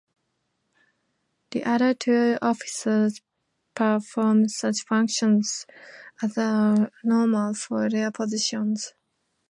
The other two officers perform such functions as are normal for their positions.